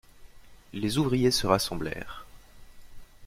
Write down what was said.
Les ouvriers se rassemblèrent.